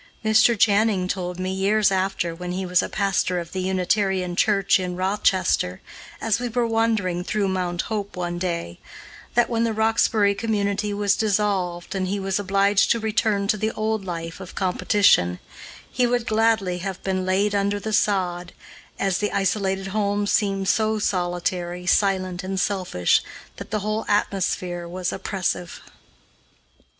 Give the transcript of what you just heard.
Mr. Channing told me, years after, when he was pastor of the Unitarian church in Rochester, as we were wandering through Mount Hope one day, that, when the Roxbury community was dissolved and he was obliged to return to the old life of competition, he would gladly have been laid under the sod, as the isolated home seemed so solitary, silent, and selfish that the whole atmosphere was oppressive.